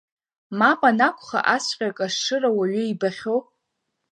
Мап анакәха, асҵәҟьа кашырра уаҩы ибахьоу…